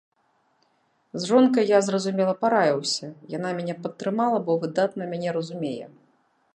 З жонкай я, зразумела, параіўся, яна мяне падтрымала, бо выдатна мяне разумее.